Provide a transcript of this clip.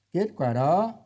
kết quả đó